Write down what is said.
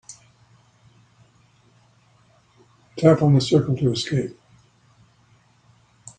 Tap on the circle to escape.